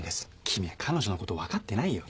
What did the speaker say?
君は彼女のこと分かってないよ。